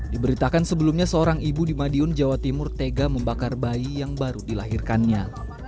diberitakan sebelumnya seorang ibu di madiun jawa timur tega membakar bayi yang baru dilahirkannya